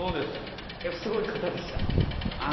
すごい方でした？